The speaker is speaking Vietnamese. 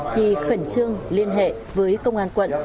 thì khẩn trương liên hệ với công an quận